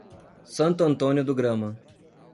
Santo Antônio do Grama